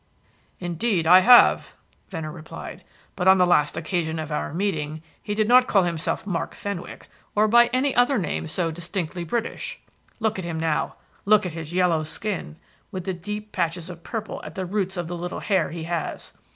"Indeed, I have," Venner replied. "But on the last occasion of our meeting, he did not call himself Mark Fenwick, or by any other name so distinctly British. Look at him now; look at his yellow skin with the deep patches of purple at the roots of the little hair he has.